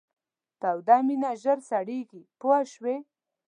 توده مینه ژر سړیږي پوه شوې!.